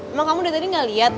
emang kamu udah tadi ngeliat